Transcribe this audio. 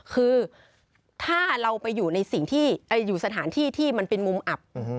คือถ้าเราไปอยู่ในสถานที่ที่มันเป็นมุมอับ